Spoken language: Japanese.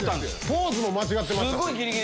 ポーズも間違ってた。